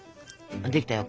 できたよ